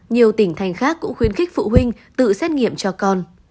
nhiều tỉnh thành khác cũng khuyến khích phụ huynh tự xét nghiệm cho con